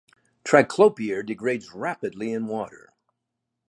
Triclopyr degrades rapidly in water.